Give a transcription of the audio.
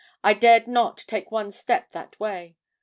I dared not take one step that way.